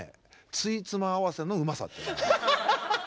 つじつま合わせのうまさってこと。